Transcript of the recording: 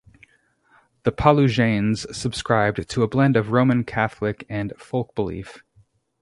The Pulajanes subscribed to a blend of Roman Catholic and folk belief.